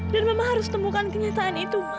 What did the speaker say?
dan mama harus temukan kenyataan itu ma